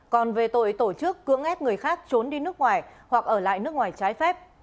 còn về tội tổ chức cưỡng ép người khác trốn đi nước ngoài hoặc ở lại nước ngoài trái phép